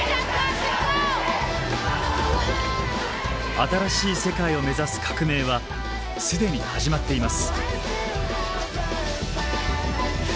新しい世界を目指す革命は既に始まっています。